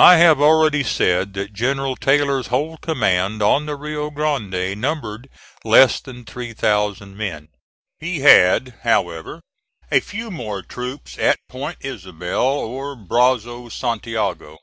I have already said that General Taylor's whole command on the Rio Grande numbered less than three thousand men. He had, however, a few more troops at Point Isabel or Brazos Santiago.